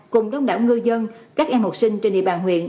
cùng đông đảo ngư dân các em học sinh trên địa bàn huyện